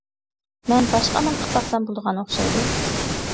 مەن باشقا ئامال قىلىپ باقسام بولىدىغان ئوخشايدۇ.